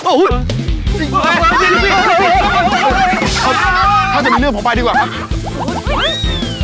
ถ้าจะมีเรื่องของไปดีกว่าครับ